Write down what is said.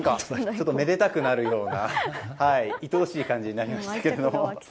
めでたくなるようないとおしい感じになりましたけれども。